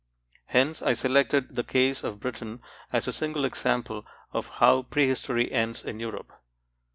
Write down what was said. Hence, I selected the case of Britain as a single example of how prehistory ends in Europe.